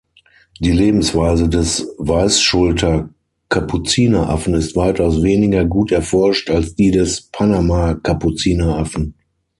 Die Lebensweise des Weißschulter-Kapuzineraffen ist weitaus weniger gut erforscht als die des Panama-Kapuzineraffen.